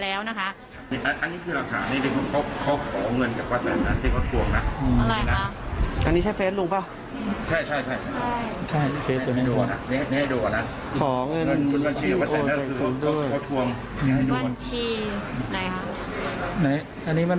ข้อทวงกับบัญชีเขามีไหม